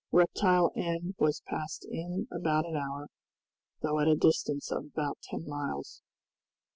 Reptile End was passed in about an hour, though at a distance of about ten miles.